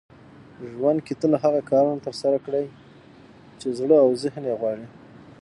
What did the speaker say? ژوند کې تل هغه کارونه ترسره کړئ چې زړه او ذهن يې غواړي .